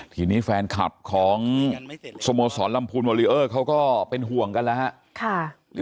ทีนี้แฟนคลับของสโมสรลำพูนวอลิเออร์เขาก็เป็นห่วงกันแล้วครับ